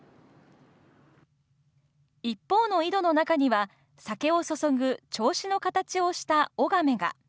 一方の井戸の中には、酒を注ぐ銚子の形をした男瓶が。